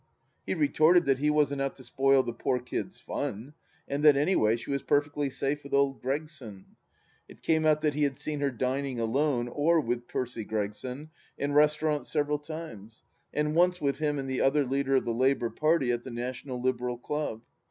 He retorted that he wasn't out to spoil the poor kid's fun, and that, anyway, she was perfectly safe with old Gregson, It came out that he had seen her dining alone, or with Percy Gregson, in restaurants several times, and once with him and the other leader of the Labour Party at the National Liberal Club.